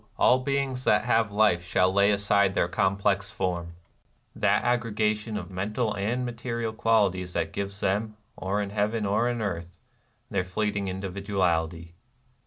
All beings that have life shall lay Aside their complex form, — that aggregation Of mental and material qualities That gives them, or in heaven or on earth, Their fleeting individuality."